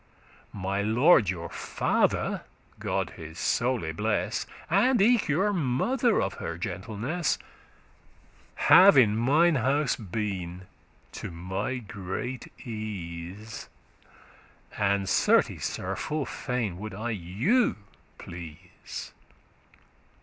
My lord your father (God his soule bless) And eke your mother of her gentleness, Have in mnine house been, to my great ease:* *satisfaction And certes, Sir, full fain would I you please.